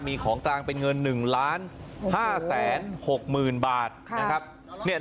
มีของกลางเป็นเงินหนึ่งล้านห้าแสนหกหมื่นบาทนะครับ